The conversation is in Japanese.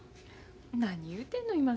何言うてんの今更。